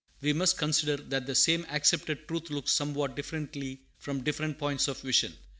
We must consider that the same accepted truth looks somewhat differently from different points of vision.